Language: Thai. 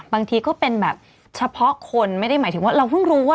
ก็เป็นแบบเฉพาะคนไม่ได้หมายถึงว่าเราเพิ่งรู้ว่า